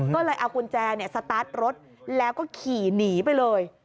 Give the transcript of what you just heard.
ก็เลยเอากุญแจสตาร์ทรถแล้วก็ขี่หนีไปเลย